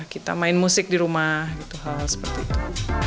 kita main musik di rumah hal seperti itu